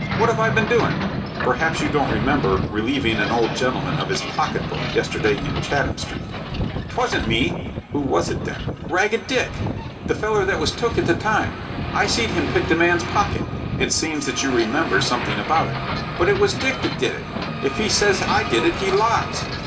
"What 'ave I been doin'?" "Perhaps you don't remember relieving an old gentleman of his pocket book yesterday in Chatham Street." "'Twasn't me." "Who was it then?" "Ragged Dick, the feller that was took at the time. I seed him pick the man's pocket." "It seems that you remember something about it." "But it was Dick that did it. If he says I did it, he lies."